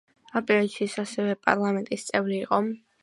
ამ პერიოდში ის ასევე პარლამენტის წევრი იყო.